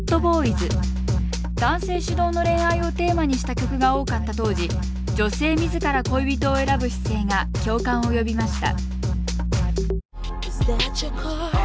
男性主導の恋愛をテーマにした曲が多かった当時女性自ら恋人を選ぶ姿勢が共感を呼びました